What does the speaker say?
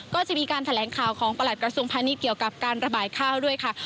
ก็จะมีการแถลงข่าวของประหลัดกระทรวงพาณิชย์เกี่ยวกับการระบายข้าวด้วยค่ะ